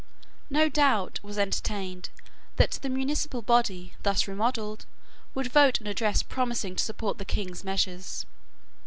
No doubt was entertained that the municipal body, thus remodelled, would vote an address promising to support the king's measures.